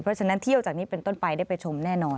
เพราะฉะนั้นเที่ยวจากนี้เป็นต้นไปได้ไปชมแน่นอน